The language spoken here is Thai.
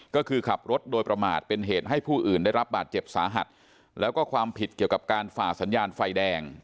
ก็คือขับรถโดยประมาทเป็นเหตุให้ผู้อื่นได้รับบาดเจ็บสาหัสแล้วก็ความผิดเกี่ยวกับการฝ่าสัญญาณไฟแดง